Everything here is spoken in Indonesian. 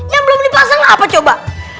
yang belum dipasang apa coba